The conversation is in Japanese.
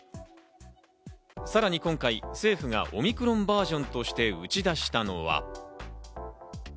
さらに今回、政府がオミクロンバージョンとして打ち出したのは。